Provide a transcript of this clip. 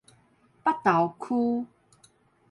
北投區